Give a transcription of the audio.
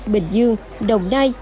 bình dương đồng nai